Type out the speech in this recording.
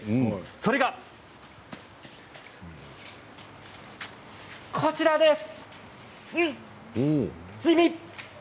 それが、こちらです。